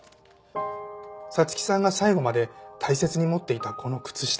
彩月さんが最後まで大切に持っていたこの靴下。